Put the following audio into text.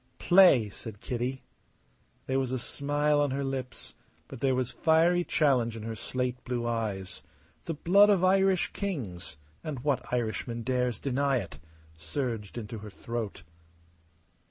"Play!" said Kitty. There was a smile on her lips, but there was fiery challenge in her slate blue eyes. The blood of Irish kings and what Irishman dares deny it? surged into her throat.